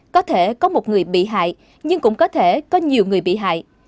có thể có một người bị hại nhưng cũng có thể có nhiều người bị hại